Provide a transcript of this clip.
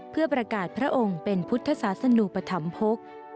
เพื่อประกาศพระองค์เป็นพุทธศาสนุปธรรมภก